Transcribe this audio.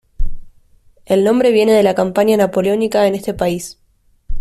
El nombre viene de la campaña napoleónica en este país.